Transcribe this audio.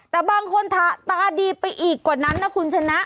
แต่บางคนตาดีไปอีกกว่านั้นนะคุณชนะ